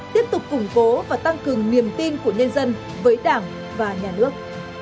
tiếp tục củng cố và tăng cường niềm tin của nhân dân với đảng và nhà nước